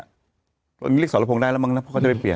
อันนี้เรียกสรพงศ์ได้แล้วมั้งนะเพราะเขาจะไปเปลี่ยน